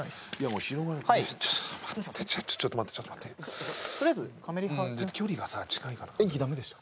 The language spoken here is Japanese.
もう広がれちょっと待ってちょっと待ってちょっと待ってとりあえずカメリハうんだって距離がさ近いから演技ダメでした？